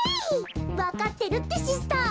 わかってるってシスター。